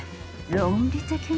論理的に。